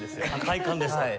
快感ですか。